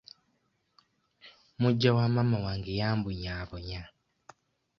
Muggya wa maama wange yambonyaabonya.